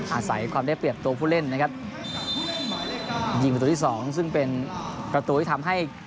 อาศัยความได้เปรียบตัวผู้เล่นนะครับยิงประตูที่สองซึ่งเป็นประตูที่ทำให้